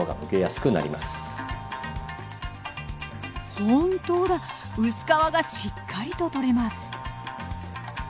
本当だ薄皮がしっかりと取れます。